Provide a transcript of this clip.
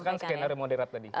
berdasarkan skenario moderat tadi